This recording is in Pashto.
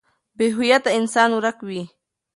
بې هويته انسان ورک وي.